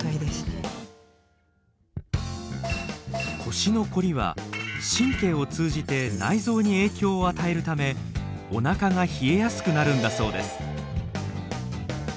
腰のコリは神経を通じて内臓に影響を与えるためおなかが冷えやすくなるんだそうです。